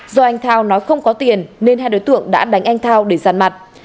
do anh thao nói không có tiền nên hai đối tượng đã đánh anh thao để giàn mặt